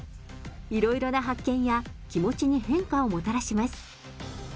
いろいろな発見や、気持ちに変化をもたらします。